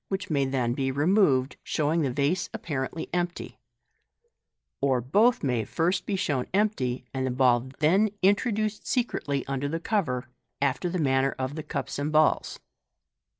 which may then be removed, showing the vase apparently empty j or both may be first shown empty, and the ball then introduced secretly under the cover, after the manner of the cups and balls.